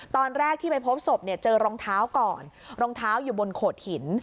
ตอนแรกที่ไปพบศพเนี่ยเจอรองเท้าก่อนรองเท้าอยู่บนโขดหิน